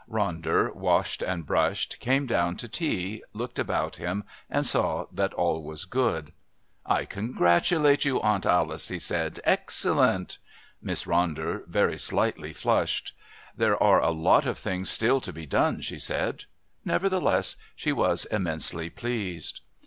Ronder, washed and brushed, came down to tea, looked about him, and saw that all was good. "I congratulate you, Aunt Alice," he said "excellent!" Miss Ronder very slightly flushed. "There are a lot of things still to be done," she said; nevertheless she was immensely pleased.